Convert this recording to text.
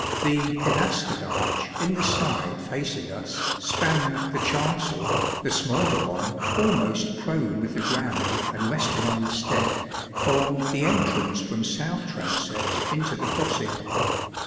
The pilastered arch in the side facing us spanned the chancel, the smaller one, almost prone with the ground and resting on the step, formed the entrance from south transept into the crossing.